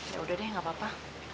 ya udah deh gak apa apa